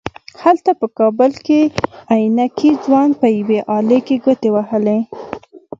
هلته په کابل کې عينکي ځوان په يوې آلې کې ګوتې وهلې.